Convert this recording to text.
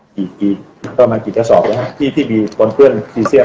กี่กี่ก็มากี่กระสอบแล้วฮะที่ที่มีตอนเคลื่อนพิเศษหน่อย